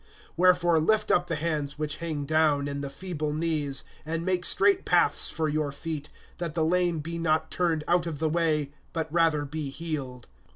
(12)Wherefore lift up the hands which hang down, and the feeble knees; (13)and make straight paths for your feet, that the lame be not turned out of the way, but rather be healed.